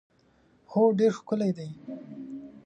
هو ډېر ښکلی دی.